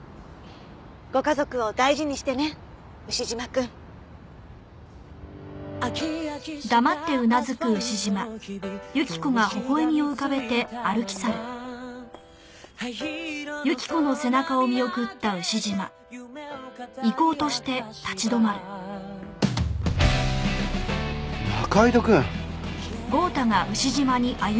ご家族を大事にしてね牛島くん。仲井戸くん。